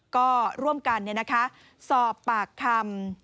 ก็ร่วมกันสอบปากคำ